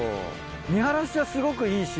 見晴らしはすごくいいし。